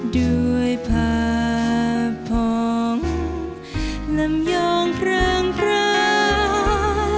ด้วยผ้าผ่องลำยองเพลิงเพลิง